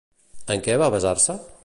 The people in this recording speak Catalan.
En què va basar-se?